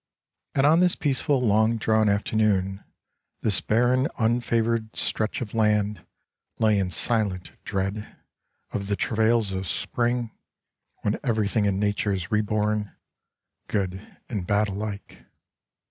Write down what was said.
And on this peace ful long drawn afternoon this barren unfavored stretch of land lay in silent dread of the travails of spring, when everything in nature is reborn, good and bad alike.